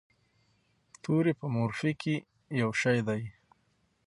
توري په مورفي کې یو شی دي.